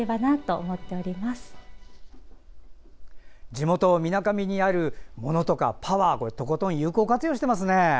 地元みなかみにある物とかパワーとことん有効活用していますね。